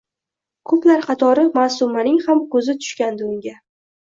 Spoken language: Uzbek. Koʼplar katori Maʼsumaning ham koʼzi tushgandi unga.